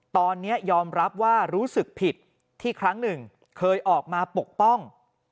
ตอนนี้ยอมรับว่ารู้สึกผิดที่ครั้งหนึ่งเคยออกมาปกป้อง